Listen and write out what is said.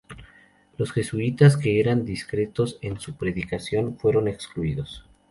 Los jesuitas, que eran discretos en su predicación, fueron excluidos.